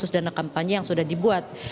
proses dana kampanye yang sudah dibuat